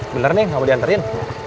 bener nih mau dianterin